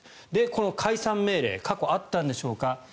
この解散命令過去あったんでしょうか。